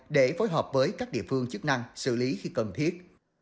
để phối hợp với các địa phương chức năng xử lý khi cần thiết